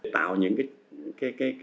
tạo những cái